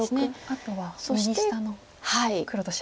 あとは右下の黒と白が。